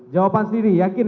jawaban sendiri yakin ya